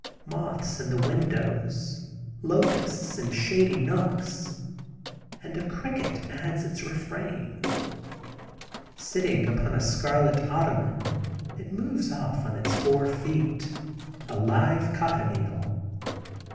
Moths in the windows, locusts in shady nooks, and a cricket adds its refrain. Sitting upon a scarlet ottoman, it moves off on its four feet—a live cochineal.